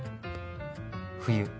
冬。